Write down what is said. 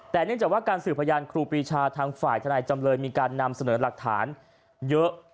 แต่เนื่องจากว่าการสื่อพยานครูปีชาทางฝ่ายทนายจำเลยมีการนำเสนอหลักฐานเยอะ